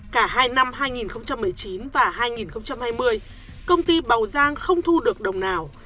cả hai năm hai nghìn một mươi chín và hai nghìn hai mươi công ty bầu giang không thu được đồng nào